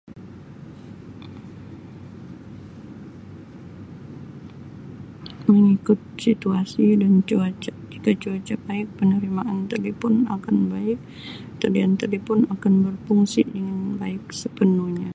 Mengikut situasi dan cuaca jika cuaca baik penerimaan telepon akan baik talian telepon akan berfungsi dengan baik sepenuhnya.